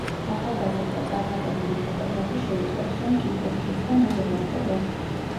ახალგაზრდა, წარმატებული ფოტოგრაფი შეიტყობს, რომ კიბო სჭირს და მალე მოკვდება.